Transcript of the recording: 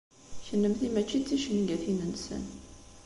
Kennemti mačči d ticengatin-nsen.